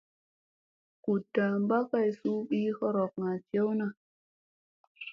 Ngutda Mba Kay Suu Pi Horokŋa Jewna.